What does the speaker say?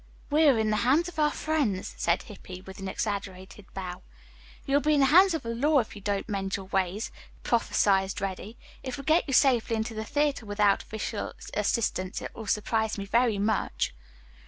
"We are in the hands of our friends," said Hippy, with an exaggerated bow. "You'll be in the hands of the law if you don't mend your ways," prophesied Reddy. "If we get you safely into the theatre without official assistance it will surprise me very much."